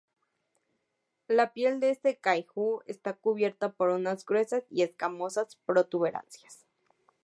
La piel de este "kaiju" está cubierta por unas gruesas y escamosas protuberancias.